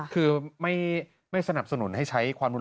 คือไม่สนับสนุนให้ใช้ความรุนแรง